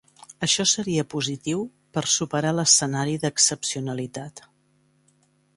Això seria positiu per a superar l’escenari d’excepcionalitat.